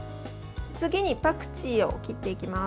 次にパクチーを切っていきます。